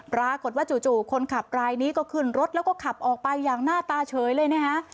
ปรากฏว่าจู่คนขับรายนี้ก็ขึ้นรถแล้วก็ขับออกไปอย่างหน้าตาเฉยเลยนะฮะ